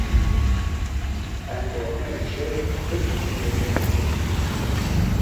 Em gotinên li jêr bigihînin wêneyên wan.